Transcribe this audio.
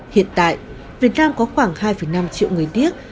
hiện tại việt nam có khoảng hai năm triệu người điếc